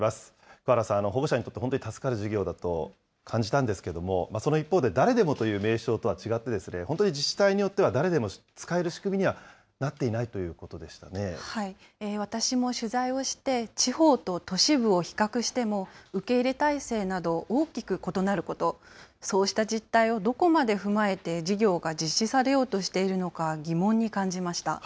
桑原さん、保護者にとって本当に助かる事業だと感じたんですけれども、その一方で、誰でもという名称とは違って、本当に自治体によっては誰でも使える仕組みにはなっていないとい私も取材をして、地方と都市部を比較しても、受け入れ体制など、大きく異なること、そうした実態をどこまで踏まえて事業が実施されようとしているのか、疑問に感じました。